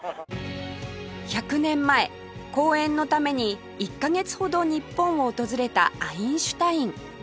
１００年前講演のために１カ月ほど日本を訪れたアインシュタイン